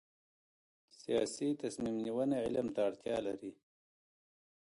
سیاسي تصمیم نیونه علم ته اړتیا لري